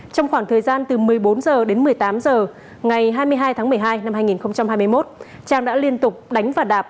trong khoảng thời gian từ một mươi bốn h đến một mươi tám h ngày hai mươi hai tháng một mươi hai năm hai nghìn hai mươi một trang đã liên tục đánh và đạp